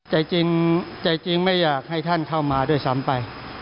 ใจจริงใจจริงไม่อยากให้ท่านเข้ามาด้วยซ้ำไป